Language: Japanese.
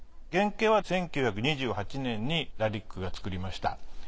原型は１９２８年にラリックが作りました。